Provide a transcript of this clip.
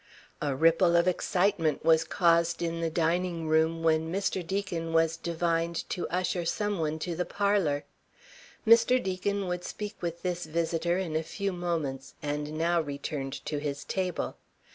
A ripple of excitement was caused in the dining room when Mr. Deacon was divined to usher some one to the parlour. Mr. Deacon would speak with this visitor in a few moments, and now returned to his table.